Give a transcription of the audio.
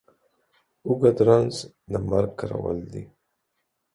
اوږ د رنځ د مرگ کرول دي.